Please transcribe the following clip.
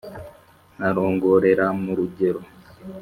Nkarongorera mu rugero